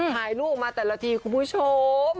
ถ่ายรูปมาแต่ละทีคุณผู้ชม